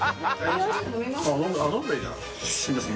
すみません。